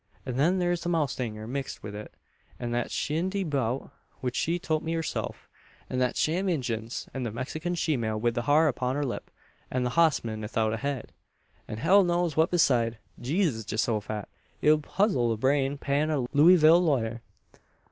"An' then thur's the mowstanger mixed in wi' it, an that shindy 'beout which she tolt me herself; an the sham Injuns, an the Mexikin shemale wi' the har upon her lip; an the hossman 'ithout a head, an hell knows what beside! Geesus Geehosofat! it 'ud puzzle the brain pan o' a Looeyville lawyer!